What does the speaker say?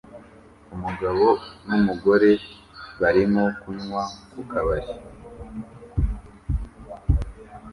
Umugabo n'umugore barimo kunywa ku kabari